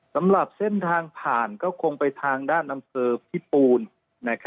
สำหรับเส้นทางผ่านก็คงไปทางด้านอำเภอพิปูน